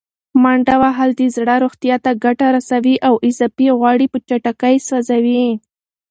منډه وهل د زړه روغتیا ته ګټه رسوي او اضافي غوړي په چټکۍ سوځوي.